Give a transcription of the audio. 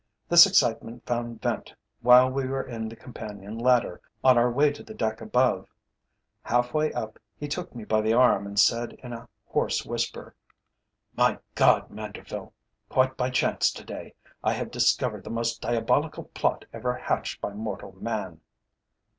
This excitement found vent while we were in the companion ladder on our way to the deck above. Half way up he took me by the arm and said in a hoarse whisper "My God! Manderville, quite by chance to day, I have discovered the most diabolical plot ever hatched by mortal man."